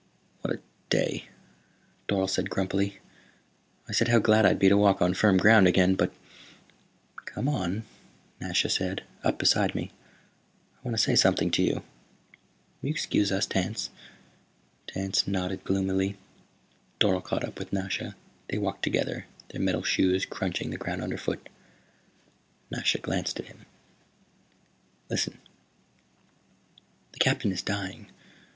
"What a day," Dorle said grumpily. "I said how glad I'd be to walk on firm ground again, but " "Come on," Nasha said. "Up beside me. I want to say something to you. Will you excuse us, Tance?" Tance nodded gloomily. Dorle caught up with Nasha. They walked together, their metal shoes crunching the ground underfoot. Nasha glanced at him. "Listen. The Captain is dying.